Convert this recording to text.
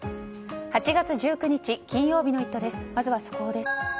８月１９日、金曜日の「イット！」です。